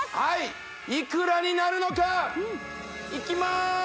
はいいくらになるのかいきまーす